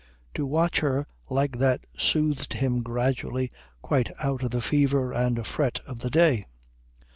To watch her like that soothed him gradually quite out of the fever and fret of the day.